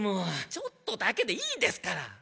ちょっとだけでいいですから！